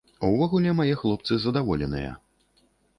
Увогуле, мае хлопцы задаволеныя.